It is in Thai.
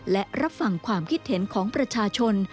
และรับฟังความคิดเห็นของประชาชน